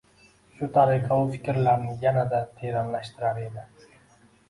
Shu tariqa u fikrlarini yanada teranlashtirar edi